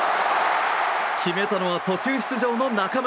決めたのは、途中出場の中村。